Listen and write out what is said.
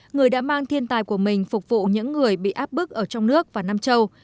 người đã mang thiên tài của mình phục vụ những người bị áp bức ở trong nước và nam châu